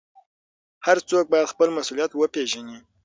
هر څوک باید خپل مسوولیت وپېژني.